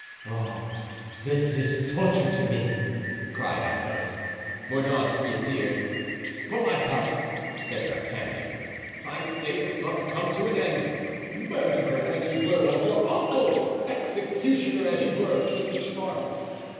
"Oh! this is torture to me," cried Athos. Mordaunt reappeared. "For my part," said D'Artagnan, "I say this must come to an end; murderer, as you were, of your uncle! executioner, as you were, of King Charles!